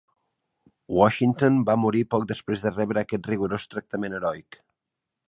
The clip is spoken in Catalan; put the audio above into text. Washington va morir poc després de rebre aquest rigorós tractament heroic.